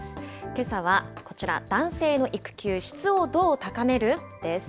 けさはこちら、男性の育休、質をどう高める？です。